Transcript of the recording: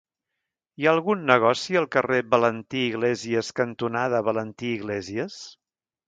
Hi ha algun negoci al carrer Valentí Iglésias cantonada Valentí Iglésias?